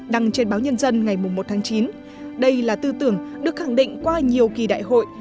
đăng trên báo nhân dân ngày một tháng chín đây là tư tưởng được khẳng định qua nhiều kỳ đại hội